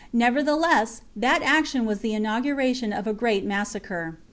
Never theless, that action was the inauguration of a great ^massacre.